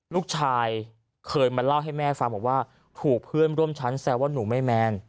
ลูกชายเคยมาเล่าให้แม่ฟังบอกว่าถูกเพื่อนร่วมชั้นแซวว่าหนูไม่แมน